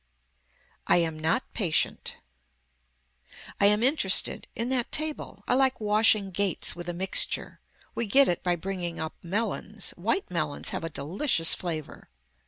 I AM NOT PATIENT I am interested. In that table. I like washing gates with a mixture. We get it by bringing up melons. White melons have a delicious flavor.